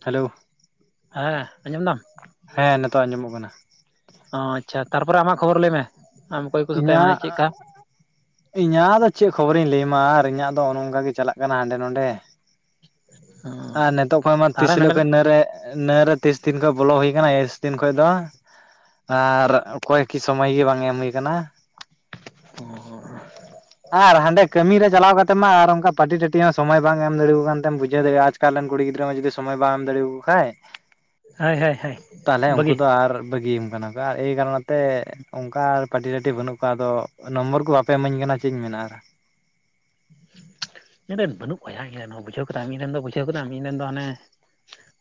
Hello ᱦᱮᱸ ᱟᱸᱡᱚᱢ ᱮᱫᱟᱢ ᱦᱮᱸ ᱱᱤᱛᱚᱜ ᱟᱸᱡᱚᱢᱚᱜ ᱠᱟᱱᱟ ᱚ ᱟᱪᱪᱷᱟ ᱛᱟᱨᱯᱚᱨᱮ ᱟᱢᱟᱜ ᱠᱷᱚᱵᱚᱨ ᱞᱟᱹᱭ ᱢᱮ ᱟᱢ ᱚᱠᱚᱭ ᱠᱚ ᱥᱟᱛᱮ ᱤᱧᱟᱜ ᱢᱟᱱᱮ ᱪᱮᱫᱠᱟ ᱟᱸᱜᱼᱼ ᱤᱧᱟᱜ ᱫᱚ ᱪᱮᱜ ᱠᱷᱚᱵᱚᱨᱤᱧ ᱞᱟᱹᱭᱟ ᱢᱟ ᱟᱨ ᱤᱧᱟᱜ ᱫᱚ ᱚᱱᱮ ᱱᱚᱝᱠᱟ ᱜᱮ ᱪᱟᱞᱟᱜ ᱠᱟᱱᱟ ᱦᱟᱸᱰᱮ ᱱᱚᱸᱰᱮ᱾ ᱟᱨ ᱱᱤᱛᱳᱜ ᱠᱷᱚᱱ ᱢᱟ ᱛᱟᱦᱚᱞᱮ ᱛᱤᱥ ᱱᱚᱸᱰᱮ ᱦᱤᱞᱳᱜ ᱠᱷᱚᱱ ᱤᱱᱟᱹᱨᱮ ᱤᱱᱟᱹ ᱨᱮ ᱛᱤᱥ ᱫᱤᱱ ᱠᱷᱚᱡ ᱵᱚᱞᱚ ᱦᱩᱭ ᱟᱠᱟᱱᱟ ᱮᱥ ᱫᱤᱱ ᱠᱷᱚᱡ ᱫᱚ ᱟᱨ ᱚᱠᱚᱭ ᱠᱤ ᱥᱚᱢᱚᱭ ᱜᱮ ᱵᱟᱝ ᱮᱢ ᱦᱩᱭ ᱟᱠᱟᱱᱟ ᱚ [unintelligible] ᱟᱨ ᱦᱟᱸᱰᱮ ᱠᱟᱹᱢᱤ ᱨᱮ ᱪᱟᱞᱟᱣ ᱠᱟᱛᱮ ᱢᱟ ᱟᱨ ᱚᱱᱠᱟ ᱯᱟᱹᱴᱤ ᱴᱟᱴᱤ ᱦᱚᱸ ᱥᱚᱢᱚᱭ ᱵᱟᱝ ᱮᱢ ᱫᱟᱲᱮ ᱟᱠᱚ ᱠᱟᱱ ᱛᱮᱢ ᱵᱩᱡᱷᱟᱹᱣ ᱫᱟᱲᱮᱼᱟ ᱱᱮᱛᱟᱨ ᱨᱮᱱ ᱠᱩᱲᱤ ᱜᱤᱫᱽᱨᱟᱹ ᱡᱩᱫᱤ ᱥᱚᱢᱚᱭ ᱵᱟᱢ ᱮᱢ ᱫᱟᱲᱮ ᱟᱠᱚ ᱠᱷᱟᱱ [unintelligible] ᱦᱳᱭ ᱛᱟᱦᱮ ᱩᱱᱠᱩ ᱵᱷᱟᱹᱜᱤ ᱫᱚ ᱟᱨ ᱵᱟᱹᱜᱤᱭᱟᱢ ᱠᱟᱱᱟ ᱠᱚ ᱟᱨ ᱮᱭ ᱠᱟᱨᱚᱱ ᱛᱮ ᱚᱱᱠᱟ ᱯᱟᱹᱴᱤ ᱴᱟᱹᱴᱤ ᱵᱟᱹᱱᱩᱜ ᱠᱚᱣᱟ ᱟᱫᱚ ᱱᱚᱢᱵᱚᱨ ᱠᱚ ᱵᱟᱯᱮ ᱤᱢᱟᱹᱧ ᱠᱟᱱᱟ ᱪᱮᱫ ᱤᱧ ᱢᱮᱱᱟ ᱟᱨ ᱤᱧ ᱨᱮᱱ ᱵᱟᱹᱱᱩᱜ ᱠᱚᱣᱟ ᱭᱟ ᱤᱧ ᱨᱮᱱ ᱦᱚᱸ ᱵᱩᱡᱷᱟᱹᱣ ᱠᱮᱫᱟᱢ ᱤᱧ ᱨᱮᱱ ᱫᱚ ᱵᱩᱡᱷᱟᱹᱣ ᱠᱮᱫᱟᱢ ᱤᱧ ᱨᱮᱱ ᱫᱚ ᱦᱟᱱᱮ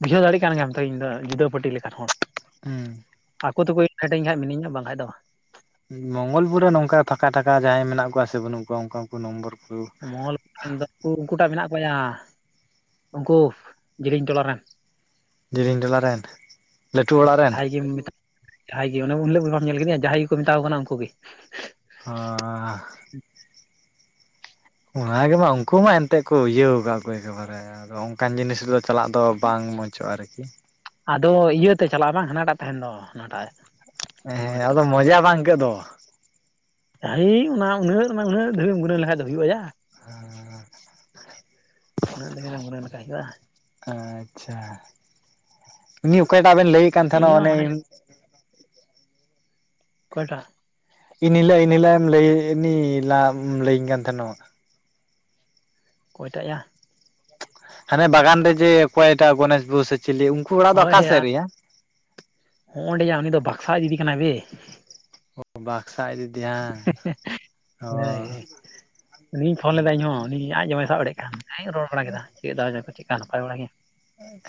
ᱵᱩᱡᱷᱟᱹᱣ ᱫᱟᱲᱮᱭᱟᱜ ᱠᱟᱱ ᱜᱮᱭᱟᱢ ᱛᱚ ᱤᱧ ᱫᱚ ᱡᱩᱫᱟᱹ ᱯᱟᱹᱴᱤ ᱞᱮᱠᱟᱱ ᱦᱚᱲ ᱦᱮᱸ ᱟᱠᱚ ᱛᱮᱠᱚ ᱯᱷᱮᱴᱟᱹᱧ ᱠᱷᱟᱱ ᱢᱤᱱᱟᱹᱧᱟ ᱵᱟᱝᱠᱷᱟᱱ ᱫᱚ ᱵᱟᱝ ᱢᱚᱝᱜᱚᱞᱯᱩᱨ ᱨᱮ ᱱᱚᱝᱠᱟ ᱯᱷᱟᱸᱠᱟ ᱴᱷᱟᱠᱟ ᱡᱟᱦᱟᱸᱭ ᱢᱮᱱᱟᱜ ᱠᱚᱣᱟ ᱥᱮ ᱵᱟᱹᱱᱩᱜ ᱠᱚᱣᱟ ᱚᱱᱠᱟᱠᱩ ᱱᱚᱢᱵᱚᱨ ᱠᱚ ᱢᱚᱝᱜᱚᱞ ᱯᱩᱨ ᱨᱮᱱ ᱫᱚ ᱩᱱᱠᱩ ᱴᱟᱜ ᱢᱮᱱᱟᱜ ᱠᱚᱣᱟ ᱭᱟ ᱩᱱᱠᱩ ᱡᱤᱞᱮᱧ ᱴᱚᱞᱟ ᱨᱮᱱ ᱡᱤᱞᱤᱧ ᱴᱚᱞᱟ ᱨᱮᱱ ᱞᱟᱹᱴᱩ ᱚᱲᱟᱜ ᱨᱮᱱ ᱡᱮᱢ ᱢᱮᱛᱟᱜ ᱡᱟᱦᱟᱸᱭ ᱜᱮ ᱚᱱᱮ ᱦᱤᱞᱳᱜ ᱵᱟᱢ ᱧᱮᱞ ᱠᱮᱫᱮᱭᱟ ᱡᱟᱦᱟᱸᱭ ᱜᱮᱠᱚ ᱢᱮᱛᱟᱣ ᱠᱚ ᱠᱟᱱᱟ ᱩᱱᱠᱩᱜ ᱜᱮ [unintelligible] ᱚᱱᱟᱜᱮ ᱢᱟ ᱩᱱᱠᱩ ᱢᱟ ᱮᱱᱛᱮ ᱠᱚ ᱤᱭᱟᱹ ᱟᱠᱟᱫ ᱮᱠᱮ ᱵᱟᱨᱮ ᱟᱫᱚ ᱚᱱᱠᱟᱱ ᱡᱤᱱᱤᱥ ᱫᱚ ᱪᱟᱞᱟᱜ ᱫᱚ ᱵᱟᱝ ᱢᱚᱡᱚᱜᱼᱟ ᱟᱨᱠᱤ ᱟᱫᱚ ᱤᱭᱟᱹᱛᱮ ᱪᱟᱞᱟᱜᱼᱟ ᱵᱟᱝ ᱦᱟᱱᱟᱴᱟᱜ ᱛᱟᱦᱮᱸᱱ ᱫᱚ ᱦᱟᱱᱟᱴᱟᱜ ᱦᱮᱸ ᱦᱮᱞᱢᱮᱴ ᱟᱫᱚ ᱛᱟᱱᱟᱜ ᱢᱚᱡᱟ ᱵᱟᱝ ᱟᱹᱭᱠᱟᱹᱜ ᱫᱚ ᱦᱮᱭ ᱚᱱᱟ ᱩᱱᱟᱹᱜ ᱚᱱᱟ ᱩᱱᱟᱹᱜ ᱫᱷᱟᱵᱤᱡ ᱮᱢ ᱜᱩᱱᱟᱹᱣ ᱞᱮᱠᱷᱟᱡ ᱫᱚ ᱦᱩᱭᱩᱜᱼᱟ ᱭᱟ ᱦᱮᱸ [inaudible] [unintelligible] ᱩᱱᱟᱹᱜ ᱟ [unintelligible] ᱞᱮᱠᱟ ᱦᱩᱭᱩᱜᱼᱟ ᱟᱪᱪᱷᱟ ᱩᱱᱤ ᱚᱠᱚᱭᱴᱟᱜ ᱵᱮᱱ ᱞᱟᱹᱭᱮᱫ ᱠᱟᱱ ᱛᱟᱦᱮᱸᱱᱚᱜ ᱤᱧᱦᱚᱸ ᱚᱱᱮ ᱢᱟᱱᱮ ᱚᱠᱚᱭ ᱴᱟᱜ ᱮᱱᱦᱤᱞᱳᱜ ᱮᱱᱦᱤᱞᱳᱜ ᱮᱢ ᱞᱟᱹᱭᱱᱤ ᱞᱟ ᱮᱢ ᱞᱟᱹᱭᱟᱹᱧ ᱠᱟᱱ ᱛᱟᱦᱮᱚᱜ ᱚᱠᱚᱭ ᱴᱟᱜ ᱭᱟ ᱦᱟᱱᱮ ᱵᱟᱜᱟᱱ ᱨᱮ ᱡᱮ ᱚᱠᱚᱭᱴᱟᱜ ᱜᱚᱱᱮᱥ ᱵᱟᱦᱩ ᱥᱮ ᱪᱤᱞᱤ ᱩᱱᱠᱩ ᱚᱲᱟᱜ ᱫᱚ ᱚᱠᱟ ᱥᱮᱫ ᱨᱮᱭᱟ ᱦᱚᱸᱜ ᱚᱸᱰᱮ ᱩᱱᱤ ᱫᱚ ᱵᱟᱠᱥᱟ ᱟᱡ ᱫᱤᱫᱤ ᱠᱟᱱᱟᱭ ᱵᱮ ᱵᱟᱠᱥᱟ ᱫᱤᱫᱤ ᱭᱟ ᱚ ᱦᱳᱭ ᱦᱳᱭ ᱩᱱᱤᱧ ᱯᱷᱳᱱ ᱞᱮᱫᱟ ᱤᱧᱦᱚᱸ ᱩᱱᱤ ᱟᱡ ᱡᱚᱢᱟᱭ ᱥᱟᱵ ᱮᱲᱮᱜ ᱠᱟᱱᱟ ᱟᱡ ᱤᱧ ᱨᱚᱲ ᱵᱟᱲᱟ ᱠᱮᱫᱟ ᱪᱮᱫ ᱫᱟ ᱠᱚ ᱪᱮᱫᱠᱟ ᱱᱟᱯᱟᱭ ᱵᱟᱲᱟ ᱜᱮᱭᱟ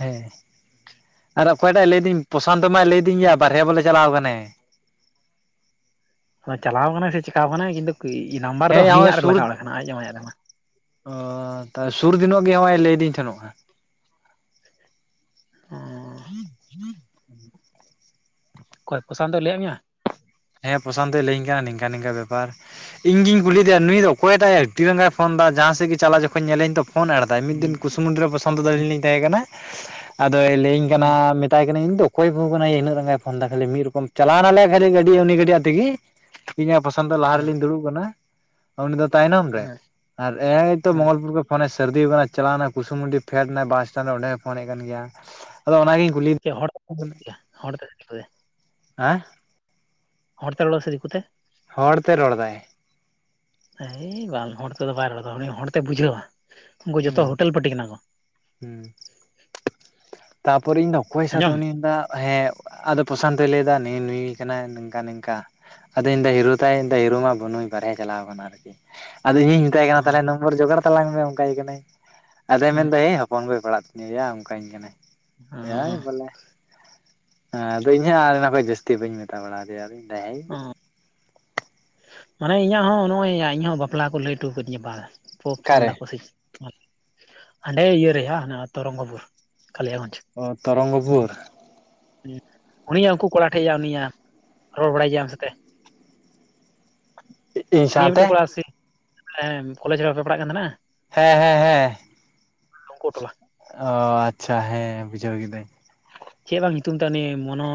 ᱦᱮᱸ ᱟᱨ ᱚᱠᱚᱭᱴᱟᱜ ᱞᱟᱹᱭᱫᱤᱧ ᱯᱨᱚᱥᱟᱱᱛᱚ ᱢᱟᱭ ᱞᱟᱹᱭᱫᱤᱧ ᱜᱮᱭᱟ ᱵᱟᱨᱦᱮ ᱵᱚᱞᱮ ᱪᱟᱞᱟᱣ ᱠᱟᱱᱟ ᱟᱫᱚ ᱪᱟᱞᱟᱣ ᱟᱠᱟᱱᱟᱭ ᱥᱮ ᱪᱮᱠᱟᱣ ᱟᱠᱟᱱᱟᱭ ᱠᱤᱱᱛᱩ ᱱᱟᱢᱵᱟᱨ ᱫᱚ ᱦᱮᱸ ᱦᱟᱹᱱᱤᱭᱟᱜ ᱨᱮ ᱞᱟᱜᱟᱣ ᱠᱟᱱᱟ ᱟᱡ ᱡᱟᱢᱟᱭᱟᱜ ᱨᱮᱢᱟ ᱚ ᱟᱦ [unintelligible] ᱥᱩᱨ ᱫᱤᱱᱚᱜ ᱜᱮ ᱱᱚᱜ ᱚᱭ ᱞᱟᱹᱭᱫᱤᱧ ᱛᱟᱦᱮᱸᱱᱚᱜᱼᱟ ᱦ [unintelligible] ᱚᱠᱚᱭ ᱯᱨᱚᱥᱚᱱᱛᱚᱭ ᱞᱟᱹᱭᱟᱫ ᱢᱮᱭᱟ ᱦᱮᱸ ᱯᱨᱚᱥᱚᱱᱛᱚᱭ ᱞᱟᱹᱭᱟᱹᱧ ᱠᱟᱱᱟ ᱱᱤᱝᱠᱟᱹ ᱱᱤᱝᱠᱟᱹ ᱵᱮᱯᱟᱨ ᱤᱧ ᱜᱮᱧ ᱠᱩᱞᱤᱫᱮᱭᱟ ᱱᱩᱭ ᱫᱚ ᱚᱠᱚᱭᱴᱟᱜ ᱟᱹᱰᱤ ᱨᱟᱸᱜᱟᱭ ᱯᱷᱚᱱ ᱮᱫᱟ ᱡᱟᱦᱟᱸᱥᱮᱫ ᱜᱮ ᱪᱟᱞᱟ ᱡᱚᱠᱷᱚᱱ ᱧᱮᱞᱤᱧ ᱫᱚ ᱯᱷᱳ ᱮᱲ ᱢᱤᱫ ᱦᱮᱸ ᱫᱤᱱ ᱠᱩᱥᱩᱢᱚᱱᱰᱤ ᱨᱮ ᱯᱚᱥᱟᱱᱛ ᱛᱟᱞᱤᱧ ᱛᱟᱦᱮᱸ ᱠᱟᱱᱟ ᱟᱫᱚᱭ ᱞᱟᱹᱭᱟᱹᱧ ᱠᱟᱱᱟ ᱦᱮᱸ ᱦᱮᱸ ᱢᱮᱛᱟᱭ ᱠᱟᱱᱟ ᱤᱧ ᱫᱚ ᱚᱠᱚᱭ ᱵᱟᱦᱩ ᱠᱟᱱᱟᱭ ᱤᱱᱟᱹᱜ ᱨᱟᱸᱜᱟᱭ ᱯᱷᱳᱱᱫᱟ ᱠᱷᱟᱹᱞᱤ ᱢᱤᱫ ᱨᱚᱠᱚᱢ ᱪᱟᱞᱟᱣᱱᱟᱞᱮ ᱠᱷᱟᱹᱞᱤ ᱜᱟᱹᱰᱤ ᱩᱱᱤ ᱜᱟᱹᱰᱤᱭᱟᱹ ᱛᱮᱜᱮ ᱤᱧ ᱟᱨ ᱯᱚᱥᱟᱱᱛᱚ ᱞᱟᱦᱟ ᱨᱮᱞᱤᱧ ᱫᱩᱲᱩᱵ ᱠᱟᱱᱟ ᱩᱱᱤ ᱫᱚ ᱛᱟᱭᱱᱚᱢ ᱨᱮ ᱟᱨ ᱮᱛᱚ ᱢᱚᱝᱜᱚᱞᱯᱩᱨ ᱠᱚ ᱯᱷᱳᱱᱭ ᱥᱟᱹᱨᱫᱤ ᱟᱠᱟᱱᱟ ᱪᱟᱞᱟᱣᱱᱟ ᱠᱩᱥᱩᱢᱩᱱᱰᱤ ᱯᱷᱮᱰ ᱱᱟᱭ ᱵᱟᱥ ᱥᱴᱮᱱᱰ ᱨᱮ ᱚᱸᱰᱮᱭ ᱯᱷᱳᱱᱮᱫ ᱠᱟᱱ ᱜᱮᱭᱟ ᱟᱫᱚ ᱚᱱᱟᱜᱮᱧ ᱠᱩᱞᱤ ᱪᱮᱫ ᱦᱚᱲ ᱦᱚᱲᱛᱮ ᱥᱮ ᱫᱤᱠᱩᱛᱮ ᱦᱮᱸ ᱦᱚᱲ ᱛᱮ ᱨᱚᱲᱟ ᱥᱮ ᱫᱤᱠᱩ ᱛᱮ ᱦᱚᱲ ᱛᱮ ᱨᱚᱲ ᱮᱫᱟᱭ ᱮᱭ ᱵᱟᱝ ᱦᱚᱲ ᱛᱮᱫᱚ ᱵᱟᱭ ᱨᱚᱲᱫᱟ ᱩᱱᱤ ᱦᱚᱲᱛᱮ ᱵᱩᱡᱷᱟᱹᱣᱟ ᱩᱱᱠᱩ ᱡᱚᱛᱚ ᱦᱳᱴᱮᱞ ᱯᱟᱴᱤ ᱠᱟᱱᱟ ᱠᱚ ᱦᱮᱸ ᱛᱟᱯᱚᱨᱮ ᱤᱧ ᱫᱚ ᱚᱠᱚᱭ ᱥᱟᱛᱮ ᱟᱸᱡᱚᱢ ᱩᱱᱤ ᱢᱮᱱᱫᱟ ᱦᱮᱸ ᱟᱫᱚ ᱯᱨᱚᱥᱟᱱᱛᱚᱭ ᱞᱟᱹᱭᱫᱟ ᱱᱩᱭ ᱱᱩᱭ ᱠᱟᱱᱟᱭ ᱱᱚᱝᱠᱟ ᱱᱤᱝᱠᱟ ᱟᱫᱚ ᱤᱧ ᱞᱟᱹᱭ ᱫᱟ ᱦᱤᱨᱳ ᱛᱟᱭ ᱟᱫᱚᱭ ᱢᱮᱱᱫᱟ ᱦᱤᱨᱳ ᱢᱟ ᱵᱟᱹᱱᱩᱭ ᱵᱟᱨᱦᱮ ᱪᱟᱞᱟᱣ ᱟᱠᱟᱱᱟ ᱟᱨᱠᱤ ᱟᱫᱚ ᱤᱧ ᱢᱮᱛᱟᱭ ᱠᱟᱱᱟ ᱛᱟᱦᱚᱞᱮ ᱱᱚᱢᱵᱚᱨ ᱡᱚᱜᱟᱲ ᱛᱟᱞᱟᱝ ᱢᱮ ᱚᱱᱠᱟᱭ ᱠᱟᱱᱟᱭ ᱟᱫᱚᱭ ᱢᱮᱱᱫᱟ ᱦᱮᱸ ᱦᱚᱯᱚᱱ ᱯᱮ ᱯᱟᱲᱟᱜ ᱠᱟᱱᱟ ᱱᱮᱭᱟ ᱚᱱᱠᱟᱧ ᱠᱟᱱᱟᱭ ᱦᱮᱸ ᱵᱚᱞᱮ ᱦᱮᱸ ᱟᱫᱚ ᱤᱧ ᱦᱚᱸ ᱟᱨ ᱚᱱᱟ ᱠᱷᱚᱱ ᱡᱟᱹᱥᱛᱤ ᱵᱟᱹᱧ ᱢᱮᱛᱟ ᱵᱟᱲᱟᱫᱮᱭᱟ ᱫᱚᱧ ᱦᱟᱹᱭ ᱚ ᱢᱟᱱᱮ ᱤᱧᱟᱹᱜ ᱦᱚᱸ ᱱᱚᱜᱼᱚᱭ ᱤᱧᱦᱚ ᱵᱟᱯᱞᱟ ᱠᱚ ᱞᱟᱹᱭ ᱦᱚᱴᱚ ᱠᱟᱹᱫᱤᱧᱟ ᱵᱟ ᱯᱚ ᱯᱷᱳᱱ ᱚᱠᱟᱨᱮ ᱮᱫᱟᱠᱚ ᱥᱮ ᱦᱟᱸᱰᱮ ᱤᱭᱟᱹ ᱨᱮ ᱦᱟ ᱛᱚᱨᱚᱝᱜᱚᱯᱩᱨ᱾ ᱠᱟᱞᱤᱭᱟᱜᱚᱸᱡᱽ ᱚ ᱛᱚᱨᱚᱝᱜᱚᱯᱩᱨ᱾ ᱩᱱᱤᱭᱟᱜ ᱩᱱᱠᱩ ᱠᱚᱲᱟ ᱴᱷᱮᱡᱭᱟ ᱩᱱᱤᱭᱟᱜ ᱨᱚᱲ ᱵᱟᱲᱟᱭ ᱜᱮᱭᱟ ᱟᱢ ᱥᱟᱛᱮ᱾ ᱤᱧ ᱩᱱᱤᱭᱟᱜ ᱥᱟᱶᱛᱮ ᱢᱤᱫᱴᱮᱡ ᱠᱚᱲᱟ ᱥᱮ ᱠᱚᱞᱮᱡᱽ ᱨᱮ ᱵᱟᱯᱮ ᱯᱟᱲᱦᱟᱜ ᱠᱟᱱ ᱛᱟᱦᱮᱸᱱᱟ ᱦᱮᱸ ᱦᱮᱸ ᱦᱮᱸ ᱩᱱᱠᱩ ᱴᱚᱞᱟ ᱚᱻ ᱟᱪᱪᱷᱟ ᱦᱮᱸ ᱵᱩᱡᱷᱟᱹᱣ ᱠᱤᱫᱟᱹᱧ ᱪᱮᱫ ᱵᱟᱝ ᱧᱩᱛᱩᱢ ᱛᱟᱭ ᱩᱱᱤ ᱢᱚᱱᱚ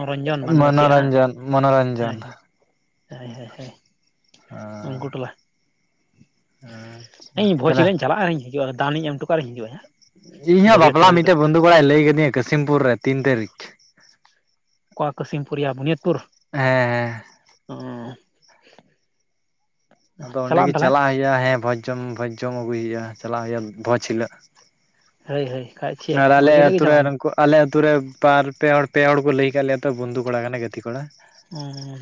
ᱢᱚᱱᱳᱨᱧᱡᱚᱱ ᱢᱚᱱᱳᱨᱧᱡᱚᱱ ᱦᱳᱭ ᱦᱳᱭ ᱦᱳᱭ ᱦᱳᱭ ᱩᱱᱠᱩ ᱴᱚᱞᱟ ᱟᱪᱪᱷᱟ ᱤᱧ ᱵᱷᱳᱡᱽ ᱛᱟᱦᱞᱮ ᱦᱤᱞᱳᱜ ᱤᱧ ᱪᱟᱞᱟᱜ ᱟᱹᱧ ᱫᱟᱱ ᱤᱧ ᱮᱢ ᱦᱚᱴᱚᱠᱟᱜᱼᱟ ᱟᱨ ᱤᱧ ᱦᱤᱡᱩᱜᱼᱟ ᱤᱧ ᱦᱚᱸ ᱵᱟᱹᱨᱭᱟᱹᱛ ᱵᱟᱯᱞᱟ ᱴᱟᱹᱭᱟᱹᱨ ᱫᱚ ᱢᱤᱫᱴᱮᱱ ᱵᱚᱱᱫᱷᱩ ᱠᱚᱲᱟᱭ ᱞᱟᱹᱭ ᱟᱠᱟᱫᱤᱟ ᱠᱟᱥᱤᱢᱯᱩᱨ ᱨᱮ ᱛᱤᱱ ᱛᱟᱹᱨᱤᱠᱷ ᱚᱠᱟ ᱠᱟᱥᱤᱢᱯᱩᱨᱭᱟ ᱵᱩᱱᱤᱭᱟᱹᱛᱯᱩᱨ ᱦᱮᱸ ᱦᱮᱸ [unintelligible] ᱟᱫᱚ ᱟᱢ ᱚᱸᱰᱮᱜᱤ ᱛᱟᱦᱚᱞᱮ ᱪᱟᱞᱟᱜ ᱦᱩᱭᱩᱜᱼᱟ ᱦᱮᱸ ᱵᱷᱚᱡᱽ ᱡᱚᱢ ᱵᱷᱚᱡᱽ ᱡᱚᱢ ᱟᱹᱜᱩᱭ ᱦᱩᱭᱩᱜᱼᱟ ᱪᱟᱞᱟᱜ ᱦᱩᱭᱩᱜᱼᱟ ᱵᱷᱚᱡ ᱦᱤᱞᱚᱻᱜ᱾ ᱦᱳᱭ ᱦᱳᱭ ᱠᱷᱟᱡ ᱪᱮᱫ ᱟᱨ ᱵᱷᱚᱡᱽ ᱟᱞᱮ ᱦᱤᱞᱳᱜ ᱜᱮ ᱟᱹᱛᱩᱨᱮ ᱪᱟᱞᱟᱜ ᱟᱨ ᱦᱩᱭᱩᱜᱼᱟ ᱩᱱᱠᱩᱣᱟᱜ ᱟᱞᱮ ᱟᱹᱛᱩ ᱨᱮ ᱵᱟᱨ ᱯᱮ ᱦᱚᱲ ᱯᱮ ᱦᱚᱲ ᱠᱚ ᱞᱟᱹᱭᱟᱠᱟᱜ ᱞᱮᱭᱟ ᱛᱚ ᱵᱚᱱᱫᱷᱩ ᱠᱚᱲᱟ ᱠᱟᱱᱟᱭ ᱜᱟᱛᱤ ᱠᱚᱲᱟ᱾ ᱚ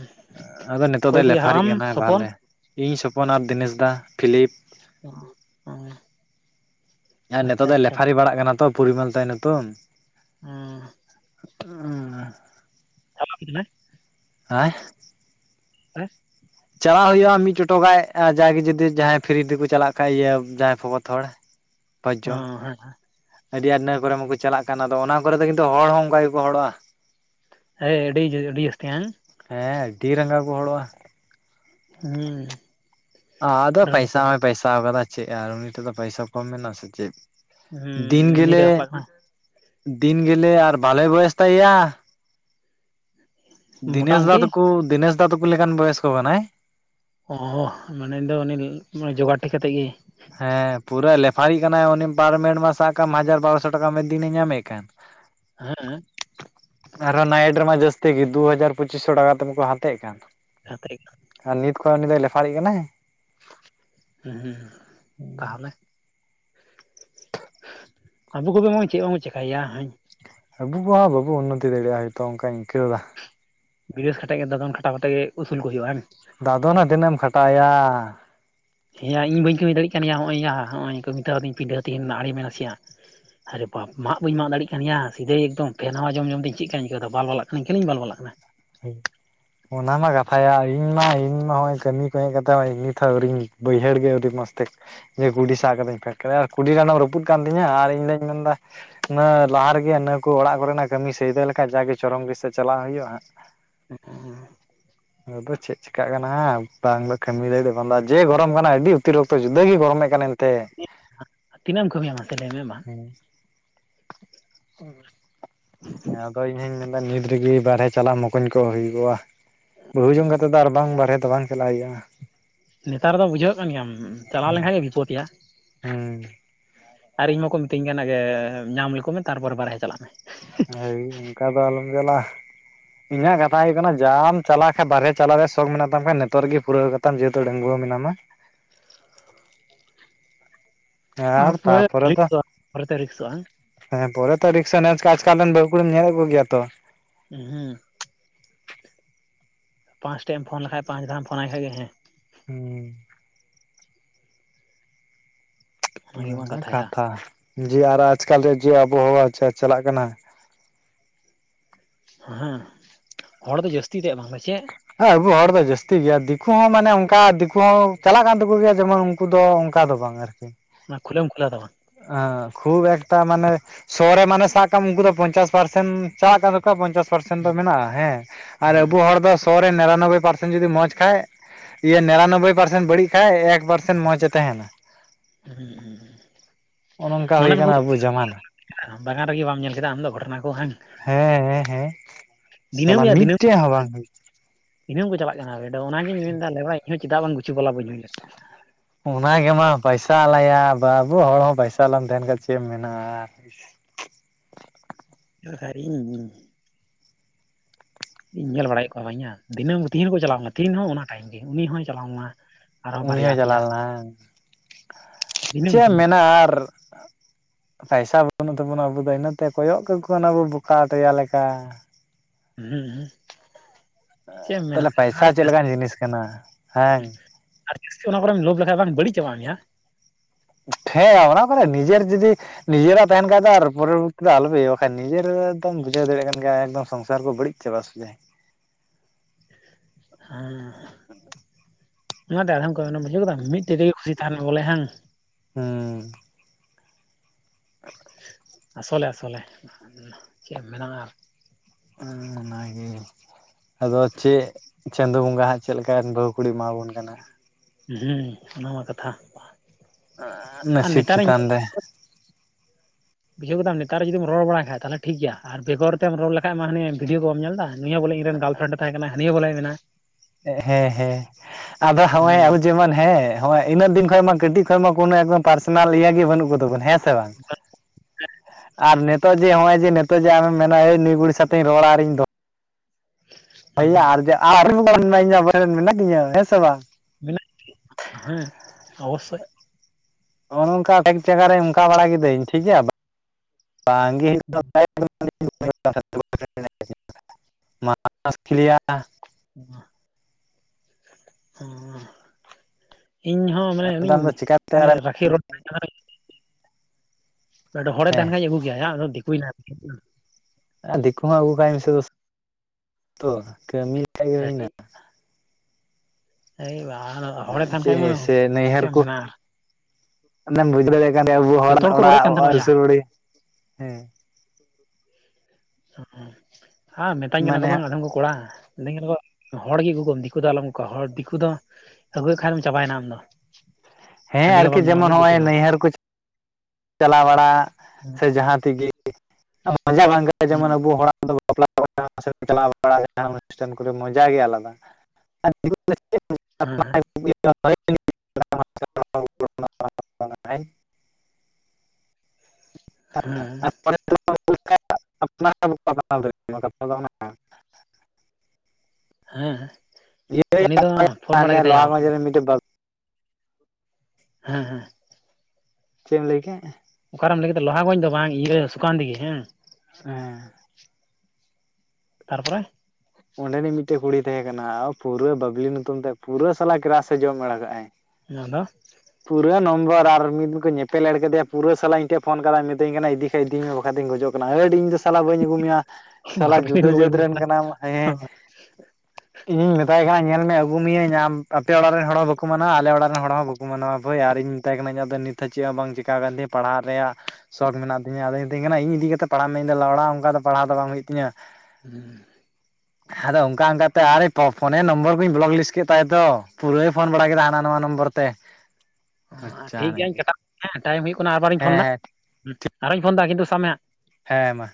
ᱟᱫᱚ ᱱᱤᱛᱳᱜ ᱚᱠᱚᱭ ᱫᱚᱭ ᱠᱚᱭᱟ ᱞᱮᱯᱷᱟᱨᱤᱜ ᱟᱢ ᱠᱟᱱᱟ ᱥᱚᱯᱚᱱ ᱵᱟᱞᱮ᱾ ᱤᱧ ᱥᱚᱯᱚᱱ ᱟᱨ ᱫᱤᱱᱮᱥ ᱫᱟ ᱯᱷᱤᱞᱤᱯ [unintelligible] ᱟᱨ ᱱᱤᱛᱚᱜ ᱟᱪᱪᱷᱟ ᱫᱚᱭ ᱟᱪᱪᱷᱟ ᱞᱮᱯᱷᱟᱨᱤ ᱵᱟᱲᱟᱜ ᱠᱟᱱᱟ ᱛᱚ ᱯᱚᱨᱤᱢᱟᱞ ᱛᱟᱭ ᱱᱩᱛᱩᱢ [unintelligible] [unintelligible] [inaudible] [unintelligible] [inaudible] ᱪᱟᱞᱟᱜ ᱦᱩᱭᱩᱜᱼᱟ ᱢᱤᱫ ᱴᱳᱴᱳ ᱜᱟᱡ ᱡᱟᱜᱮ ᱡᱩᱫᱤ ᱡᱟᱦᱟᱸᱭ ᱯᱷᱤᱨᱤ ᱛᱮᱠᱚ ᱪᱟᱞᱟᱜ ᱠᱷᱟᱱ ᱤᱭᱟᱹ ᱡᱟᱦᱟᱸᱭ ᱵᱷᱚᱜᱚᱛ ᱦᱚᱲ ᱵᱷᱚᱡᱽ ᱡᱚᱢ [unintelligible] ᱟᱹᱰᱤ ᱟᱸᱴ ᱱᱟᱹ ᱠᱚᱨᱮ ᱢᱟᱠᱚ ᱪᱟᱞᱟᱜ ᱠᱟᱱᱟ ᱟᱫᱚ ᱚᱱᱟ ᱠᱚᱨᱮ ᱫᱚ ᱠᱤᱱᱛᱩ ᱦᱚᱲ ᱦᱚᱸ ᱚᱱᱠᱟ ᱜᱮᱠᱚ ᱦᱚᱲᱚᱜᱼᱟ᱾ [unintelligible] ᱟᱹᱰᱤ ᱟᱹᱰᱤ ᱡᱟᱹᱥᱛᱤ ᱦᱮᱸ, ᱦᱮᱸ ᱟᱹᱰᱤ ᱨᱟᱸᱜᱟᱣ ᱠᱚ ᱦᱚᱲᱚᱜᱼᱟ᱾ ᱦᱩᱸ ᱟᱫᱚ ᱰᱟᱹᱝᱨᱤ ᱯᱟᱭᱥᱟ ᱠᱚᱦᱚᱸ ᱦᱚᱸᱭ ᱯᱟᱭᱥᱟᱣᱟᱠᱟᱫᱟ ᱪᱮᱜ ᱟᱨ ᱩᱱᱤ ᱴᱷᱮᱜ ᱫᱚ ᱯᱟᱭᱥᱟ ᱠᱚᱢ ᱢᱮᱱᱟ ᱥᱮ ᱪᱮᱫ? ᱫᱤᱱ ᱦᱩᱸ ᱮᱢᱱᱤ ᱨᱮ ᱜᱮᱞᱮ ᱵᱟᱯᱞᱟᱜ ᱠᱟᱱᱟ ᱫᱤᱱ ᱜᱮᱞᱮ ᱟᱨ ᱵᱟᱞᱮ ᱵᱮᱭᱚᱥᱛᱟᱭᱼᱟ᱾ ᱫᱤᱱᱮᱥ ᱫᱟ ᱢᱚᱴᱟᱢᱩᱴᱤ ᱛᱟᱹᱠᱩ ᱫᱤᱱᱮᱥ ᱫᱟ ᱛᱟᱹᱠᱩ ᱞᱮᱠᱟᱱ ᱵᱚᱭᱚᱥᱠᱚ ᱠᱟᱱᱟᱭ᱾ [unintelligible] ᱢᱟᱱᱮ ᱫᱚ ᱩᱱᱤ ᱡᱚᱜᱟᱲ ᱴᱷᱤᱠ ᱠᱟᱛᱮ ᱜᱤ, ᱦᱮᱸ ᱯᱩᱨᱟᱹ ᱞᱮᱯᱷᱟᱨᱤ ᱠᱟᱱᱟᱭ ᱩᱱᱤ ᱯᱟᱨᱢᱮ [unintelligible] ᱢᱟ ᱥᱟᱵ ᱠᱟᱜ ᱟᱢ ᱦᱟᱡᱟᱨ ᱵᱟᱨᱚᱥᱚ ᱴᱟᱠᱟ ᱢᱟ ᱫᱤᱱ ᱮ ᱧᱟᱢᱮᱜ ᱠᱟᱱ ᱾ [unintelligible] ᱟᱨᱦᱚᱸ ᱱᱟᱭᱮᱴ ᱨᱮᱢᱟ ᱡᱟᱹᱥᱛᱤ ᱜᱮ ᱫᱩ ᱦᱟᱡᱟᱨ ᱯᱚᱪᱤᱥ ᱥᱳ ᱴᱟᱠᱟ ᱛᱮᱢᱟ ᱠᱚ ᱦᱟᱛᱮᱜ ᱠᱟᱱ᱾ [unintelligible] ᱟᱨ ᱱᱤᱛ ᱠᱷᱚᱱ ᱩᱱᱤ ᱫᱚᱭ ᱞᱮᱯᱷᱟᱨᱤ ᱠᱟᱱᱟᱭ? [unintelligible] ᱛᱟᱦᱚᱞᱮ [inaudible] ᱟᱵᱩ ᱠᱚᱫᱚ ᱪᱮᱜ ᱵᱟᱱ ᱪᱮᱠᱟᱭᱮᱜᱼᱟ ᱦᱟ [unintelligible] ᱟᱵᱚ ᱠᱚᱦᱚᱸ ᱵᱟᱵᱚ ᱩᱱᱚᱛᱤ ᱫᱟᱲᱤᱭᱟᱜᱼᱟ ᱦᱳᱭᱛᱚ ᱚᱱᱠᱟᱧ ᱟᱹᱭᱠᱟᱹᱣᱮᱫᱼᱟ᱾ [unintelligible] ᱠᱟᱛᱮᱜ ᱜᱮ ᱫᱚᱜᱚᱱ ᱠᱷᱟᱴᱟᱣ ᱠᱟᱛᱮᱜ ᱜᱮ ᱩᱥᱩᱞ ᱠᱚ ᱦᱩᱭᱩᱜᱼᱟ ᱦᱮᱸ [unintelligible] ᱟᱫᱚ ᱱᱟᱜᱽ ᱫᱤᱱᱚᱢ ᱠᱷᱟᱴᱟᱣᱮᱭᱟ? ᱦᱮᱸᱭᱟ ᱤᱧ ᱵᱟᱹᱧ ᱠᱟᱹᱢᱤ ᱫᱟᱲᱮᱭᱟᱜ ᱠᱟᱱ ᱜᱮᱭᱟ ᱱᱚᱜᱼᱚᱭᱟ ᱱᱚᱜᱼᱚᱭ, ᱠᱟᱹᱢᱤ ᱛᱟᱞᱟᱣᱛᱤᱧ ᱯᱤᱰᱟᱹ ᱛᱤᱱ ᱟᱹᱲᱤ ᱢᱮ ᱱᱟᱥᱮ ᱟᱜ ᱱᱟᱥᱮᱭᱟᱜ᱾ ᱟᱨᱮ ᱵᱟᱯ ᱢᱟᱜ ᱵᱟᱹᱧ ᱢᱟᱜ ᱫᱟᱲᱮᱜ ᱠᱟᱱ ᱭᱟ, ᱥᱤᱫᱟᱹᱭ ᱮᱠᱚᱢ ᱯᱮᱱ ᱦᱟᱣᱟ ᱡᱚᱢ ᱡᱚᱢ ᱛᱤᱧ ᱪᱮᱜ ᱠᱟᱧ ᱟᱹᱭᱠᱟᱹᱣ ᱮᱫᱟ ᱠᱷᱟᱞᱤᱧ ᱵᱟᱞ ᱵᱟᱞᱟᱣ ᱠᱷᱟᱱᱤᱧ ᱵᱟᱞ ᱵᱟᱞᱟᱣ ᱠᱟᱱᱟ ᱾ [unintelligible] ᱚᱱᱟ ᱢᱟ ᱠᱟᱛᱷᱟ ᱟᱭ ᱤᱧ ᱢᱟ ᱤᱧ ᱢᱟ ᱱᱚᱜᱼᱚᱭ ᱠᱟᱹᱢᱤ ᱠᱚ ᱦᱮᱜ ᱠᱟᱛᱮ ᱦᱚᱸᱜ ᱱᱤᱛᱦᱚᱸ ᱟᱹᱣᱨᱤᱧ ᱵᱟᱹᱭᱦᱟᱹᱲ ᱜᱮ ᱟᱹᱣᱨᱤ ᱢᱚᱸᱡ ᱛᱮ, [unintelligible] ᱠᱩᱰᱤ ᱥᱟᱜ ᱠᱟᱹᱛᱤᱧ ᱯᱮ [unintelligible] ᱟᱨ ᱠᱩᱰᱤ ᱰᱟᱸᱰᱚᱢ ᱨᱟᱹᱯᱩᱫ ᱠᱟᱱ ᱛᱤᱧᱟᱹ ᱟᱨ ᱤᱧᱫᱚᱧ ᱢᱮᱱ ᱫᱟ, [unintelligible] ᱞᱟᱦᱟ ᱨᱮᱜᱮ ᱱᱟᱹᱠᱩ ᱚᱲᱟᱜ ᱠᱚᱨᱮᱱᱟᱜ ᱠᱟᱹᱢᱤ ᱥᱚᱭᱫᱚ ᱞᱮᱠᱷᱟᱡ ᱡᱟᱜᱮ ᱪᱚᱨᱚᱢ ᱜᱮ ᱥᱮᱜ ᱪᱟᱞᱟᱜ ᱦᱩᱭᱩᱜᱼᱟ ᱦᱟᱸᱜ, [unintelligible] ᱟᱫᱚ ᱪᱮᱜ ᱪᱮᱠᱟᱜ ᱠᱟᱱᱟ ᱵᱟᱝ ᱫᱚ [unintelligible] [unintelligible] ᱵᱟᱝᱫᱟ ᱡᱮ ᱜᱚᱨᱚᱢ ᱠᱟᱱᱟ ᱟᱹᱰᱤ ᱚᱛᱤᱨᱤᱠᱛᱚ ᱡᱩᱫᱟᱹ ᱜᱮ ᱜᱚᱨᱚᱢ ᱠᱟᱱ ᱮᱱᱛᱮ᱾ ᱢᱟ ᱛᱟᱦᱞᱮ ᱞᱟᱹᱭ ᱢᱟ ᱦᱮᱸ [unintelligible] ᱟᱫᱚ ᱤᱧ ᱢᱮᱱ [inaudible] ᱱᱤᱛ ᱨᱤᱜᱮ ᱵᱟᱨᱦᱮ ᱪᱟᱞᱟᱣ ᱢᱚᱠᱚᱧ ᱠᱚ ᱦᱩᱭᱩᱜ ᱚᱜᱼᱟ᱾ ᱵᱟᱹᱦᱩ ᱡᱚᱝ ᱠᱟᱛᱮᱫ ᱫᱚ ᱟᱨ ᱵᱟᱝ ᱵᱟᱨᱦᱮ ᱫᱚ ᱵᱟᱝ ᱪᱟᱞᱟᱣ ᱦᱩᱭᱩᱜᱼᱟ᱾ ᱱᱮᱛᱟᱨ ᱫᱚ ᱵᱩᱡᱷᱟᱹᱜ ᱠᱟᱱ ᱜᱮᱭᱟᱢ ᱪᱟᱞᱟᱣ ᱞᱮᱱᱠᱷᱟᱱ ᱜᱮ ᱵᱤᱯᱚᱛᱭᱟ᱾ ᱦᱮᱸ ᱟᱨ ᱤᱧ ᱢᱟᱠᱚ ᱢᱤᱛᱟᱹᱧ ᱠᱟᱱᱟ ᱡᱮ ᱧᱟᱢ ᱞᱤᱠᱩ ᱢᱮ ᱛᱟᱨᱯᱚᱨᱮ ᱵᱟᱨᱦᱮ ᱪᱟᱞᱟᱜ ᱢᱮ᱾ ᱦᱮᱭ ᱚᱱᱠᱟ ᱫᱚ ᱟᱞᱚᱢ ᱪᱟᱞᱟᱜᱟ᱾ ᱤᱧᱟᱹᱜ ᱠᱟᱛᱷᱟ ᱦᱩᱭᱩᱜ ᱠᱟᱱᱟ ᱡᱟᱢ ᱪᱟᱞᱟᱜ ᱠᱷᱟᱱ ᱵᱟᱨᱦᱮ ᱪᱟᱞᱟᱣ ᱨᱮᱭᱟᱜ ᱥᱚᱠ ᱢᱮᱱᱟᱜ ᱛᱟᱢ ᱠᱷᱟᱱ ᱱᱤᱛᱚᱜ ᱨᱮᱜᱮ ᱯᱩᱨᱟᱹᱣ ᱠᱟ ᱡᱮᱦᱮᱸᱛᱩ ᱰᱺᱜᱣᱟᱹ ᱢᱮᱱᱟᱢᱟ᱾ ᱟᱨ ᱛᱟᱯᱚᱨᱮ ᱫᱚ [unintelligible] ᱦᱮᱸ ᱯᱚᱨᱮ ᱛᱮ ᱨᱤᱠᱥᱟ ᱱᱮᱡ ᱟᱡ ᱠᱟᱢ ᱨᱮᱱ ᱵᱟᱹᱦᱩ ᱠᱩᱲᱤᱢ ᱧᱮᱞᱮᱫ ᱠᱚᱜᱣᱟ ᱛᱚ? ᱦᱩᱸ᱾ ᱯᱟᱸᱥ ᱴᱟᱭᱤᱢ ᱯᱷᱚᱱ ᱞᱮᱠᱷᱟᱱ ᱯᱟᱸᱪ ᱫᱷᱟᱣ ᱮᱢ ᱯᱷᱚᱱᱟᱭ ᱠᱷᱟᱡ ᱜᱮ ᱦᱮᱸ᱾ ᱦᱩᱸ᱾ ᱚᱱᱟᱜᱮ ᱚᱱᱟ ᱢᱟ ᱠᱟᱱᱟ ᱠᱟᱛᱷᱟᱭᱟ ᱠᱟᱛᱷᱟ ᱡᱮ ᱟᱨ ᱟᱡ ᱠᱟᱞ ᱨᱮᱭᱟᱜ ᱡᱮ ᱟᱵᱚ ᱟᱪᱷᱟ ᱪᱟᱞᱟᱜ ᱠᱟᱱᱟ᱾ [unintelligible] ᱦᱮᱸ ᱟᱵᱚ ᱦᱚᱲ ᱫᱚ ᱡᱟᱹᱥᱛᱤ ᱜᱮᱭᱟ ᱫᱤᱠᱩ ᱦᱚᱸ ᱢᱟᱱᱮ ᱚᱱᱠᱟ ᱫᱤᱠᱩ ᱦᱚᱸ ᱪᱟᱞᱟᱜ ᱠᱟᱱ ᱛᱟᱠᱚ ᱜᱮᱭᱟ ᱡᱮᱢᱚᱱ ᱩᱱᱠᱩ ᱫᱚ ᱚᱱᱠᱟ ᱫᱚ ᱵᱟᱝᱟ᱾ ᱟᱨᱠᱤ ᱚᱱᱟ ᱠᱷᱩᱞᱟᱹᱢ ᱠᱷᱩᱞᱟ ᱛᱟᱵᱚᱱ᱾ ᱟ ᱠᱷᱩᱵ ᱮᱠᱴᱟ ᱢᱟᱱᱮ ᱥᱚᱦᱚᱨ ᱨᱮ ᱢᱟᱱᱮ ᱥᱟᱵ ᱠᱟᱢ ᱩᱱᱠᱩ ᱫᱚ ᱯᱚᱧᱪᱟᱥ ᱯᱟᱨᱥᱮᱱ ᱪᱟᱞᱟᱜ ᱠᱟᱱ ᱛᱟᱠᱚᱣᱟ ᱯᱚᱧᱪᱟᱥ ᱯᱟᱨᱥᱮᱱ ᱥᱮᱱ ᱫᱚ ᱢᱮᱱᱟᱜᱼᱟ ᱦᱮᱸ ᱟᱨ ᱦᱮᱸ ᱟᱵᱩ ᱦᱚᱲ ᱫᱚ ᱥᱚ ᱨᱮ ᱱᱮᱨᱟᱱᱚᱵᱵᱮᱭ ᱯᱟᱨᱥᱮᱱ ᱡᱩᱫᱤ ᱢᱚᱸᱡᱽ ᱠᱷᱟᱡ ᱤᱭᱟᱹ ᱱᱮᱨᱟᱱᱚᱵᱵᱮ ᱯᱟᱨᱥᱮᱱ ᱵᱟᱹᱲᱤᱡ ᱠᱷᱟᱡ ᱮᱠ ᱯᱟᱨᱥᱮᱱ ᱢᱚᱸᱡ ᱮ ᱛᱮᱦᱮᱱᱟ᱾ ᱦᱩᱸ ᱦᱩᱸ ᱦᱩᱸ᱾ ᱚᱱ ᱚᱝᱠᱟ ᱦᱩᱭ ᱟᱠᱟᱱᱟ ᱟᱵᱚ ᱡᱟᱢᱟᱱᱟ᱾ ᱵᱟᱜᱟᱱ ᱨᱮᱜᱮ ᱵᱟᱢ ᱧᱮᱞ ᱠᱮᱫᱟ ᱟᱢ ᱫᱚ ᱜᱷᱚᱴᱚᱱᱟ ᱠᱚ ᱦᱟᱝ? ᱦᱮᱸ ᱦᱮᱸ ᱦᱮᱸ ᱥᱟᱞᱟ ᱢᱤᱫᱴᱮᱡ ᱦᱚᱸ ᱵᱟᱝ ᱦᱩᱭᱩᱜ᱾ ᱤᱱᱟᱹᱝ ᱠᱚ ᱪᱟᱞᱟᱜ ᱠᱟᱱᱟ ᱵᱮᱰᱚ ᱚᱱᱟᱜᱤᱧ ᱢᱮᱱᱫᱟ ᱞᱮᱣᱲᱟ ᱤᱧ ᱦᱚᱸ ᱪᱮᱫᱟᱜ ᱵᱟᱝ ᱜᱩᱪᱩ ᱵᱟᱞᱟ ᱵᱟᱹᱧ ᱦᱩᱭᱞᱮᱱ᱾ ᱚᱱᱟᱜᱮᱢᱟ ᱯᱟᱭᱥᱟ ᱟᱞᱟᱭᱟ ᱵᱟᱹᱵᱩ ᱦᱚᱲ ᱦᱚᱸ ᱯᱟᱭᱥᱟ ᱟᱞᱟᱢ ᱛᱟᱦᱮᱱ ᱠᱷᱟᱱ ᱪᱮᱫ ᱮᱢ ᱢᱮᱱᱟ ᱟᱨ [unintelligible] ᱤᱧ ᱧᱮᱞ ᱵᱟᱲᱟᱭᱮᱫ ᱠᱚᱣᱟ ᱵᱟᱝᱧᱟ ᱫᱤᱱᱟᱹᱢ ᱛᱤᱦᱤᱱ ᱦᱚᱸᱠᱚ ᱪᱟᱞᱟᱣ ᱮᱱᱟ ᱛᱤᱦᱤᱱ ᱦᱚᱸ ᱚᱱᱟ ᱴᱟ. ᱭᱤᱢ ᱜᱮ ᱩᱱᱤ ᱦᱚᱸᱭ ᱪᱟᱞᱟᱣᱱᱟ᱾ ᱩᱱᱤ ᱦᱚᱸᱭ ᱪᱟᱞᱟᱣ ᱞᱮᱱᱟ ᱫᱤᱱᱟᱹᱢ ᱪᱮᱫ ᱮᱢ ᱫᱤᱱ ᱢᱮᱱᱟ ᱟᱨ ᱯᱟᱭᱥᱟ ᱵᱟᱹᱱᱩᱜ ᱛᱟᱵᱚᱱᱟ ᱟᱵᱩ ᱫᱚ ᱤᱱᱟᱹᱛᱮ ᱠᱚᱭᱚᱜ ᱠᱟᱠᱚ ᱠᱟᱱᱟᱵᱚ ᱵᱚᱠᱟ ᱫᱮᱭᱟ ᱞᱮᱠᱟ᱾ ᱦᱩᱸ ᱦᱩᱸ᱾ ᱪᱮᱫ ᱮᱢ ᱢᱮᱱᱟ ᱛᱟᱦᱞᱮ ᱟᱨ ᱯᱟᱭᱥᱟ ᱪᱮᱫ ᱡᱟᱹᱥᱛᱤ ᱞᱮᱠᱟᱱ ᱡᱤᱱᱤᱥ ᱠᱟᱱᱟ ᱦᱮᱸ? ᱟᱨ ᱡᱟᱹᱥᱛᱤ ᱚᱱᱟ ᱠᱚᱨᱮᱢ ᱞᱚᱵᱷ ᱞᱮᱷᱟᱡ ᱵᱟᱝ ᱵᱟᱹᱲᱤᱡ ᱪᱟᱵᱟ ᱢᱮᱭᱟ? ᱦᱮᱸ ᱚᱱᱟ ᱠᱚᱨᱮ ᱱᱤᱡᱮᱨ ᱡᱩᱫᱤ ᱱᱤᱡᱮᱨᱟᱜ ᱛᱟᱦᱮᱱ ᱠᱷᱟᱡ ᱫᱚ ᱟᱨ ᱯᱚᱨᱮᱨ ᱟᱞᱚᱯᱮ ᱤᱭᱟᱹ ᱵᱟᱠᱷᱟᱡ ᱱᱤᱡᱮᱨ ᱫᱚᱢ ᱵᱩᱡᱷᱟᱹᱣ ᱫᱟᱲᱮᱭᱟᱜ ᱠᱟᱱ ᱜᱮᱭᱟ ᱮᱠᱫᱚᱢ ᱥᱚᱝᱥᱟᱨ ᱠᱚ ᱵᱟᱹᱲᱤᱡ ᱪᱟᱵᱟᱜ ᱥᱩᱫᱷᱟᱹᱭ᱾ ᱦᱟᱸ ᱚᱱᱟᱛᱮ ᱟᱫᱷᱮᱢ ᱠᱚ ᱢᱮᱱᱟ ᱵᱩᱡᱷᱟᱹᱣ ᱠᱮᱫᱟᱢ ᱢᱤᱫᱴᱮᱴᱤᱡ ᱛᱮᱜᱮ ᱠᱩᱥᱤ ᱛᱟᱦᱮᱱ ᱢᱮ ᱵᱚᱞᱮ ᱦᱟᱝ᱾ ᱦᱩᱸ᱾ ᱟᱥᱚᱞᱮ ᱟᱥᱚᱞᱮ ᱪᱮᱫ ᱮᱢ ᱢᱮᱱᱟ ᱟᱨ ᱩᱸ ᱚᱱᱟᱜᱮ ᱟᱫᱚ ᱪᱮᱫ ᱪᱟᱸᱫᱚ ᱵᱚᱸᱜᱟ ᱦᱟᱸᱜ ᱪᱮᱫ ᱞᱮᱠᱟᱱ ᱵᱟᱹᱦᱩ ᱠᱩᱲᱤ ᱮᱢᱟ ᱵᱚᱱ ᱠᱟᱱᱟ᱾ ᱩᱦᱩᱸ ᱚᱱᱟᱢᱟ ᱠᱟᱛᱷᱟ ᱟᱨ ᱱᱟᱥᱤᱵ ᱱᱮᱛᱟᱨᱤᱧ ᱪᱤᱛᱟᱱ ᱨᱮ᱾ ᱵᱩᱡᱷᱟᱹᱣ ᱠᱮᱫᱟᱢ ᱱᱮᱛᱟᱨ ᱡᱩᱫᱤᱢ ᱨᱚᱲ ᱵᱟᱲᱟᱭ ᱠᱷᱟᱡ ᱛᱟᱦᱞᱮ ᱴᱷᱤᱠ ᱜᱮᱭᱟ ᱟᱨ ᱵᱮᱜᱚᱨ ᱛᱮᱢ ᱨᱚᱲ ᱞᱮᱠᱷᱟᱡ ᱢᱟ ᱦᱟᱱᱮ ᱵᱷᱤᱰᱭᱚ ᱠᱚ ᱵᱟᱢ ᱧᱮᱞ ᱫᱟ᱾ ᱱᱤᱭᱟᱹ ᱵᱚᱞᱮ ᱤᱧ ᱨᱮᱱ ᱜᱟᱞᱯᱷᱨᱮᱱᱰ ᱮ ᱛᱟᱦᱮᱸ ᱠᱟᱱᱟ ᱦᱟᱹᱱᱤ ᱦᱚ ᱵᱚᱞᱮᱭ ᱢᱮᱱᱟ᱾ ᱦᱮᱸ ᱦᱮᱸ ᱟᱫᱚ ᱦᱚᱜ ᱚᱭ ᱟᱵᱚ ᱡᱮᱢᱚᱱ ᱦᱮᱸ᱾ ᱦᱚᱭ ᱤᱱᱟᱹᱜ ᱫᱤᱱ ᱠᱷᱚᱡ ᱢᱟ ᱠᱟᱹᱴᱤᱡ ᱠᱷᱚᱡ ᱢᱟ ᱠᱚᱱᱚ ᱮᱠᱫᱚᱢ ᱯᱟᱨᱥᱚᱱᱟᱞ ᱤᱭᱟᱹ ᱜᱮ ᱵᱟᱹᱱᱩᱜ ᱠᱚᱫ ᱛᱚᱵᱚᱱ ᱦᱮᱸ ᱥᱮ ᱵᱟᱝ ᱟᱨ ᱱᱮ ᱛᱚ ᱡᱮ ᱚᱭ ᱡᱮ ᱱᱤᱛᱚᱜ ᱡᱮ ᱟᱢᱮᱢ ᱢᱮᱱᱟ ᱦᱟᱹᱭ ᱱᱩᱭ ᱠᱩᱲᱤ ᱥᱟᱶᱛᱤᱧ ᱨᱚᱲᱟ ᱟᱨᱤᱧ ᱫᱚ ᱦᱮᱸ [unintelligible] ᱢᱮᱱᱟᱜ ᱛᱤᱧᱟᱹ ᱦᱮᱸ ᱚᱵᱚᱥᱥᱳᱭ᱾ [unintelligible] ᱱᱚᱜᱼᱚ ᱱᱚᱝᱠᱟ ᱮᱠ ᱡᱟᱜᱟ ᱨᱮ ᱚᱱᱠᱟ ᱵᱟᱲᱟ ᱠᱤᱫᱟᱹᱧ ᱴᱷᱤᱠ ᱜᱮᱭᱟ ᱵᱟᱝᱜᱮ ᱦᱩᱭᱩᱜ [unintelligible] [unintelligible] ᱢᱟᱥ ᱠᱷᱤᱞᱤᱭᱟ᱾ ᱩᱝ ᱟᱸᱜ᱾ ᱚᱸ ᱤᱧ ᱦᱚᱸ ᱢᱟᱱᱮ ᱫᱚ ᱩᱱᱤᱧ ᱪᱤᱠᱟᱛᱮ ᱟᱨᱮᱢ ᱨᱟᱠᱷᱤ ᱨᱚᱴᱮ ᱠᱟᱱᱟ ᱞᱟᱹᱜᱤᱫ᱾ [unintelligible] ᱵᱮᱰᱚ ᱦᱚᱲᱮ ᱛᱟᱦᱮᱱ ᱦᱮᱸ ᱠᱷᱟᱡ ᱟᱹᱜᱩ ᱠᱮᱭᱟ ᱦᱟᱝ ᱟᱫᱚ ᱫᱤᱠᱩᱭᱱᱟ ᱟᱨᱠᱤ᱾ ᱟᱨ ᱫᱤᱠᱩ ᱦᱚᱸ ᱟᱹᱜᱩ ᱠᱟᱜ ᱢᱮᱥᱮ ᱫᱩᱥ ᱛᱚ ᱠᱟᱹᱢᱤ ᱞᱮᱠᱷᱟᱡ ᱜᱮ ᱦᱩᱭᱱᱟ᱾ ᱮᱭ ᱵᱟ ᱦᱚᱲᱮ ᱛᱟᱦᱮᱸᱱ ᱠᱷᱟᱡ ᱢᱟ ᱪᱮᱫ ᱮᱢ ᱢᱮᱱᱟ᱾ ᱟᱢᱮᱢ ᱵᱩᱡᱷ ᱫᱟᱲᱮ ᱠᱭᱫᱮᱭᱟ ᱟᱵᱚ ᱦᱚᱲ ᱡᱚᱛᱚ ᱨᱮᱱ [unintelligible] ᱠᱚ ᱨᱚᱲᱮᱫ ᱚᱲᱟᱜ ᱠᱟᱱ ᱛᱟᱦᱮᱱᱟ ᱚᱨ ᱭᱟ ᱩᱥᱩᱲ ᱵᱟᱹᱲᱤ ᱦᱮᱸ᱾ ᱦᱟᱸ ᱢᱮᱛᱟᱹᱧ ᱠᱟᱱᱟ ᱠᱚ ᱢᱟᱱᱮ ᱵᱟᱝ ᱩᱱᱠᱩ ᱠᱚᱲᱟ᱾ ᱢᱮᱛᱟᱹᱧ ᱠᱟᱱᱟ ᱠᱚ ᱦᱚᱲ ᱜᱮ ᱟᱹᱜᱩ ᱠᱩᱢ ᱫᱤᱠᱩ ᱫᱚ ᱟᱞᱚᱢ ᱟᱹᱜᱩ ᱠᱚᱣᱟ ᱦᱚᱲ ᱫᱤᱠᱩ ᱫᱚ ᱟᱹᱜᱩᱭᱮᱫ ᱠᱷᱟᱱᱮᱢ ᱪᱟᱵᱟᱭᱱᱟ ᱟᱢᱫᱚ᱾ ᱦᱮᱸ ᱟᱨᱠᱤ ᱡᱮᱢᱚᱱ ᱱᱚᱭ ᱚᱭ ᱦᱚᱸ ᱱᱟᱹᱭᱦᱟᱹᱨ ᱠᱚ ᱪᱟᱞᱟᱣ ᱵᱟᱲᱟᱜ ᱥᱮ ᱡᱟᱦᱟᱸ ᱛᱤᱜᱤ᱾ ᱢᱟᱡᱟ ᱵᱟᱝ ᱤᱠᱟ [unintelligible] ᱹᱜᱼᱟ ᱦᱮᱸ ᱡᱮᱢᱚᱱ ᱟᱹᱵᱩ ᱦᱚᱲᱟᱜ [unintelligible] ᱟᱫᱚ ᱵᱟᱯᱞᱟ ᱠᱚ ᱡᱟᱸᱦᱟ ᱥᱮᱫ ᱮᱢ ᱪᱟᱞᱟᱣ ᱵᱟᱲᱟ ᱞᱮᱠᱷᱟᱱ ᱚᱱᱩᱥᱴᱷᱟᱱ ᱠᱚᱨᱮ ᱢᱚᱡᱟ ᱜᱮ ᱟᱞᱟᱫᱟ᱾ ᱦᱮᱸ [unintelligible] [unintelligible] ᱦᱮᱸ ᱛᱟᱨ ᱯᱚᱨᱮ [unintelligible] ᱠᱟᱛᱷᱟ ᱫᱚ ᱚᱱᱟ᱾ ᱦᱮᱸ, ᱩᱱᱤ ᱫᱚ ᱯᱷᱳᱱ ᱵᱟᱲᱟ ᱠᱮᱫᱟᱭ ᱮᱦᱚᱵ᱾ ᱢᱤᱫᱴᱮᱱ ᱵᱟᱜ ᱦᱮᱸ ᱦᱮᱸ ᱪᱮᱜ ᱮᱢ ᱞᱟᱹᱭ ᱠᱮᱜ ᱟ ᱚᱠᱟᱨᱮᱢ ᱞᱟᱹᱭ ᱠᱮᱫᱟ ᱞᱚᱦᱟᱜᱚᱧᱡᱽ ᱫᱚ ᱵᱟᱝ ᱤᱭᱟᱹ ᱥᱩᱠᱟᱱᱫᱤ ᱦᱮᱸ᱾ ᱦᱮᱸ ᱛᱟᱨᱯᱚᱨᱮ ᱚᱸᱰᱮᱱᱤᱡ ᱢᱤᱫᱴᱮᱱ ᱠᱩᱲᱤ ᱛᱟᱦᱮᱸ ᱠᱟᱱᱟ ᱯᱩᱨᱟᱹ ᱵᱟᱵᱞᱤ ᱧᱩᱛᱩᱢ ᱛᱟᱭ ᱯᱩᱨᱟᱹ ᱥᱟᱞᱟ ᱠᱮᱨᱟᱥ ᱮ ᱡᱚᱢ ᱵᱟᱲᱟ ᱠᱟᱜᱟᱭ [unintelligible] ᱯᱩᱨᱟᱹ ᱱᱚᱢᱵᱚᱨ ᱟᱨ ᱢᱤᱫ ᱫᱤᱱ ᱠᱚ ᱧᱮᱯᱮᱞ ᱮᱸᱲ ᱠᱮᱫᱮᱭᱟ ᱯᱩᱨᱟᱹ ᱥᱟᱞᱟ ᱤᱧ ᱴᱷᱮᱱ ᱯᱷᱚᱱ ᱠᱟᱫᱟᱭ ᱢᱤᱛᱟᱹᱧ ᱠᱟᱱᱟᱭ ᱤᱫᱤ ᱠᱷᱟᱱ ᱤᱫᱤᱧ ᱢᱮ ᱵᱟᱠᱷᱟᱤᱧ ᱜᱚᱡᱚᱜ ᱠᱟᱱᱟ᱾ ᱦᱟᱹᱴ ᱤᱧ ᱫᱚ ᱥᱟᱞᱟ ᱵᱟᱹᱧ ᱟᱹᱜᱩ ᱢᱮᱭᱟ ᱥᱟᱞᱟ ᱵᱟᱨᱯᱮ ᱡᱩᱫᱟᱹ ᱫᱤᱱ ᱡᱟᱹᱛ ᱨᱮᱱ ᱵᱟᱹᱧ ᱠᱟᱱᱟᱢ ᱦᱮᱸ [unintelligible] ᱤᱧᱤᱧ ᱢᱮᱛᱟᱭ ᱠᱟᱱᱟ ᱧᱮᱞ ᱢᱮ ᱟᱹᱜᱩᱢᱤᱭᱟᱹᱧ ᱟᱢ ᱟᱯᱮ ᱚᱲᱟᱜ ᱨᱮᱱ ᱦᱚᱲ ᱦᱚᱸ ᱵᱟᱠᱚ ᱢᱟᱱᱟᱣᱟ ᱟᱞᱮ ᱚᱲᱟᱜ ᱨᱮᱱ ᱦᱚᱲ ᱦᱚᱸ ᱵᱟᱠᱩ [unintelligible] ᱢᱟᱱᱟᱣᱟ ᱵᱷᱟᱹᱭ ᱟᱨ ᱤᱧ ᱢᱮᱛᱟᱭ ᱠᱟᱱᱟ ᱤᱧᱟᱜ ᱫᱚ ᱱᱤᱛ ᱦᱚᱸ ᱪᱮᱫ ᱦᱚᱸ ᱵᱟᱝ ᱪᱤᱠᱟ ᱠᱟᱱ ᱛᱤᱧᱟᱹ ᱯᱟᱲᱦᱟᱜ ᱨᱮᱭᱟᱜ ᱥᱚᱠ ᱢᱮᱱᱟᱜ ᱛᱤᱧᱟ ᱟᱫᱚ ᱢᱤᱛᱟᱹᱧ ᱠᱟᱱᱟ ᱤᱧ ᱤᱫᱤ ᱠᱟᱛᱮ ᱯᱟᱲᱦᱟᱜ ᱢᱮ ᱤᱧᱫᱚ ᱞᱮᱣᱲᱟ ᱚᱱᱠᱟ ᱫᱚ ᱯᱟᱲᱦᱟᱣ ᱫᱚ ᱵᱟᱝ ᱦᱩᱭᱩᱜ ᱛᱤᱧᱟᱹ᱾ [unintelligible] ᱟᱫᱚ ᱚᱱᱠᱟ ᱚᱱᱠᱟ ᱛᱮ ᱟᱨ ᱮ ᱯᱷᱚᱱᱮ ᱱᱚᱢᱵᱚᱨ ᱠᱩᱧ ᱵᱞᱚᱠ ᱞᱤᱥᱴ ᱠᱮᱫ ᱛᱟᱭᱟ ᱛᱚ ᱯᱩᱨᱟᱹᱭ ᱯᱷᱳᱱ ᱵᱟᱲᱟ ᱠᱮᱫᱟ ᱦᱟᱱᱟ ᱱᱷᱟᱣᱟ ᱱᱚᱢᱵᱚᱨ ᱛᱮ᱾ [unintelligible] ᱵᱟᱪᱪᱟ ᱴᱷᱤᱠ ᱜᱮᱭᱟᱧ ᱱᱟᱜᱤ ᱠᱟᱴᱟᱣ ᱫᱟ ᱴᱟᱭᱤᱢ ᱦᱩᱭᱩᱜ ᱠᱟᱱᱟ ᱟᱨᱵᱟᱨᱤᱧ ᱦᱮᱸ ᱯᱷᱳᱱᱫᱟ᱾ ᱦᱮᱸ ᱟᱨᱚᱧ ᱯᱷᱳᱱ ᱫᱟ ᱠᱤᱱᱛᱩ ᱥᱟᱵᱽ ᱢᱮ ᱦᱟᱸᱜ᱾ ᱦᱮᱸ ᱢᱟ᱾